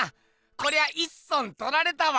こりゃいっそんとられたわ。